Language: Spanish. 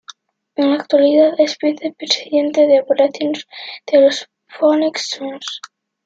En la actualidad es vicepresidente de Operaciones de los Phoenix Suns.